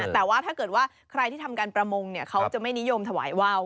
แต่ว่าถ้าเกิดว่าใครที่ทำการประมงเขาจะไม่นิยมถวายว่าว